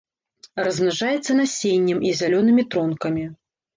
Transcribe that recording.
Размнажаецца насеннем і зялёнымі тронкамі.